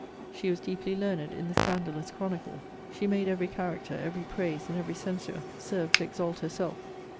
She was deeply learned in the scandalous chronicle: she made every character, every praise, and every censure, serve to exalt herself.